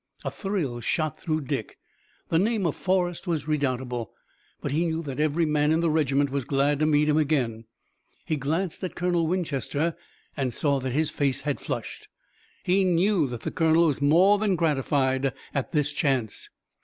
A thrill shot through Dick. The name of Forrest was redoubtable, but he knew that every man in the regiment was glad to meet him again. He glanced at Colonel Winchester and saw that his face had flushed. He knew that the colonel was more than gratified at this chance.